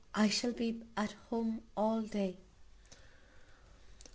I shall be at home all day."